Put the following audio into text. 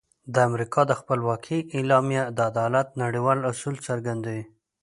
د امریکا د خپلواکۍ اعلامیه د عدالت نړیوال اصول څرګندوي.